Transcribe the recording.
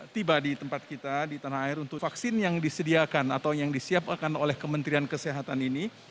tiba di tempat kita di tanah air untuk vaksin yang disediakan atau yang disiapkan oleh kementerian kesehatan ini